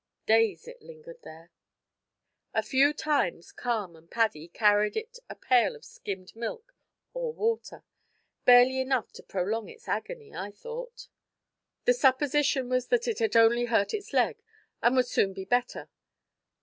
Days it lingered there. A few times Carm and Paddy carried it a pail of skimmed milk or water, barely enough to prolong its agony, I thought. The supposition was that it had only hurt its leg, and would soon be better.